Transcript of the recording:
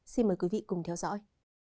xin mời quý vị cùng theo dõi